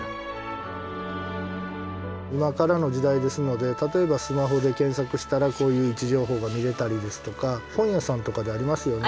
今からの時代ですので例えばスマホで検索したらこういう位置情報が見れたりですとか本屋さんとかでありますよね。ありますね。